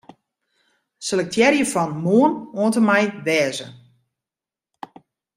Selektearje fan 'Moarn' oant en mei 'wêze'.